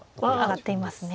挙がっていますね。